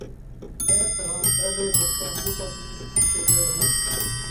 جَیں طرح پہلے وقتاں موسیٰ کنوں پُچھے ڳئے ہَن،